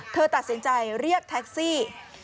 เธอตัดสินใจเรียกแท็กซี่